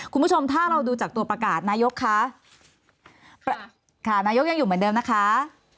คุณผู้ชมถ้าเราดูจากตัวประกาศนายกคะค่ะนายกยังอยู่เหมือนเดิมนะคะ